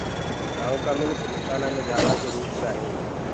گآئونٚ ڪآ منک مڪآنآ مي جآوآ دي روڪدآ هينٚ۔